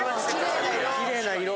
きれいな色！